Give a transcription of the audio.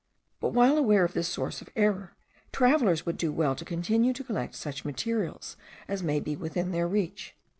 But, while aware of this source of error, travellers would do well to continue to collect such materials as may be within their reach.